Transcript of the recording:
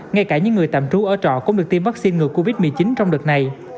ngay cả những người tạm trú ở trọ cũng được tiêm vaccine ngừa covid một mươi chín trong đợt này